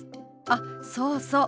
あっそうそう。